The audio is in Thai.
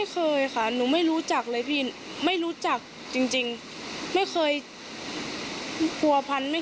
เคยทะเลาะกันไหมหรือเปล่า